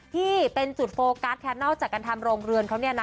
ที่เป็นสุดโฟกัสแคนไลน์จากการทำรวงเรือนเขาเนี้ยนะ